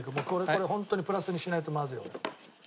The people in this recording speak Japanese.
これホントにプラスにしないとまずい俺。